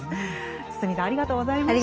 堤さんありがとうございました。